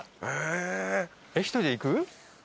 えっ１人で行く？